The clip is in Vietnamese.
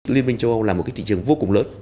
liên minh châu âu là một cái thị trường vô cùng lớn